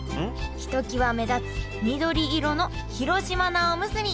ひときわ目立つ緑色の広島菜おむすび